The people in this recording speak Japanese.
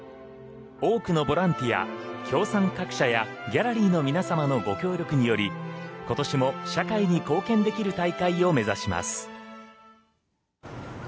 多くのボランティア、協賛各社やギャラリーの皆様のご協力により今年も社会に貢献できる大会を目指します。